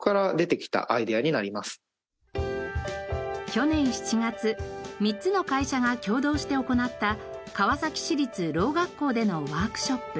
去年７月３つの会社が協働して行った川崎市立聾学校でのワークショップ。